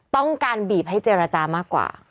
ต้องการบีบให้เจรจามากกว่า